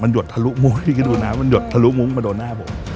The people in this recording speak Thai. หยดทะลุมุ้งพี่ก็ดูน้ำมันหยดทะลุมุ้งมาโดนหน้าผม